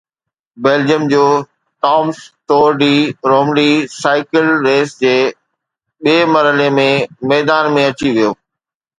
Belgium جو Thomas Tour de Romandie cycle race جي ٻئي مرحلي ۾ ميدان ۾ اچي ويو